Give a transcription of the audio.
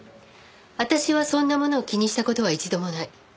私はそんなものを気にした事は一度もない。